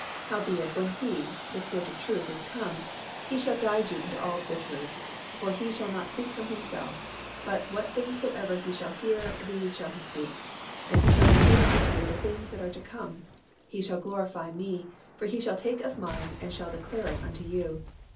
Howbeit when He, the Spirit of truth, is come, He shall guide you into all the truth: for He shall not speak from Himself; but what things soever He shall hear, these shall He speak: and He shall declare unto you the things that are to come. He shall glorify Me: for He shall take of Mine, and shall declare it unto you."